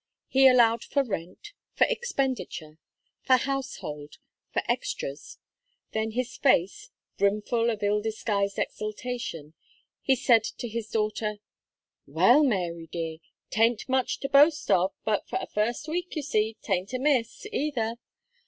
He allowed for rent, for expenditure, for household, for extras, then his face, brimful of ill disguised exultation, he said to his daughter: "Well, Mary, dear, 'taint much to boast of, but for a first week, you see, 'taint amiss, either.